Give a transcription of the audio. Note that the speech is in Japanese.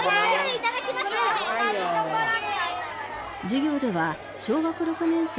授業では小学６年生